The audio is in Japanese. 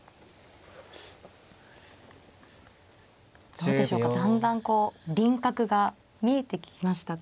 どうでしょうかだんだんこう輪郭が見えてきましたか。